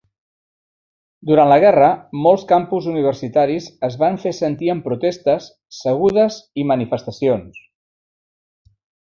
Durant la guerra, molts campus universitaris es van fer sentir amb protestes, segudes i manifestacions.